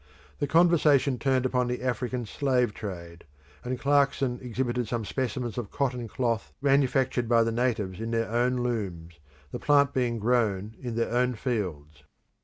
The conversation turned upon the African slave trade, and Clarkson exhibited some specimens of cotton cloth manufactured by the natives in their own looms, the plant being grown in their own fields.